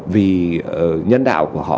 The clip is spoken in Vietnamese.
vì nhân đạo của họ